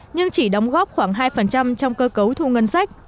nhưng chỉ đóng góp khoảng hai trong cơ cấu thu ngân sách